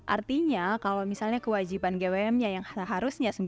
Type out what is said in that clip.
artinya kalau misalnya kewajiban gwm nya yang seharusnya